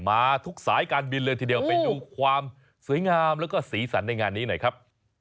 มาทุกสายการบินเลยทีเดียวไปดูความสวยงามแล้วก็สีสันในงานนี้หน่อยครับ